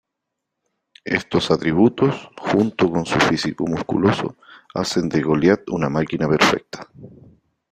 Estos atributos, junto con su físico musculoso, hacen del Goliat una máquina perfecta.